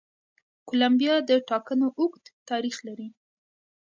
کولمبیا د ټاکنو اوږد تاریخ لري.